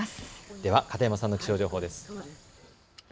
では片山さんの気象情報です。